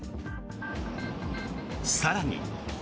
更に。